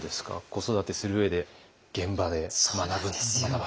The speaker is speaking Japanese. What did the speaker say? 子育てする上で現場で学ぶ。